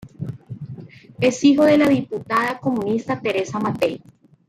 Es hijo de la diputada comunista Teresa Mattei.